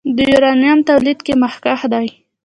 د یورانیم تولید کې مخکښ دی.